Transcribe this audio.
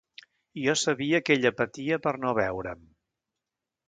Jo sabia que ella patia per no veure'm.